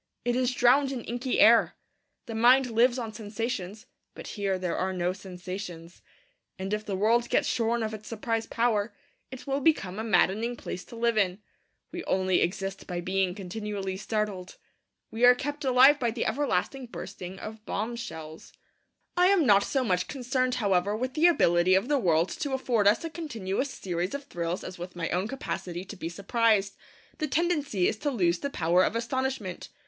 It is drowned in inky air. The mind lives on sensations; but here there are no sensations. And if the world gets shorn of its surprise power, it will become a maddening place to live in. We only exist by being continually startled. We are kept alive by the everlasting bursting of bombshells. I am not so much concerned, however, with the ability of the world to afford us a continuous series of thrills as with my own capacity to be surprised. The tendency is to lose the power of astonishment.